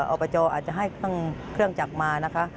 อบจอาจจะให้เครื่องจักรมานะคะ